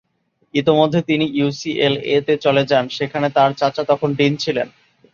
ইতোমধ্যে তিনি ইউসিএলএ-তে চলে যান, সেখানে তার চাচা তখন ডিন ছিলেন।